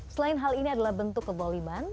selain hal ini adalah bentuk keboliman